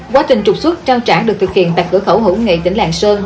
quá trình trục xuất trao trả được thực hiện tại cửa khẩu hữu nghị tỉnh lạng sơn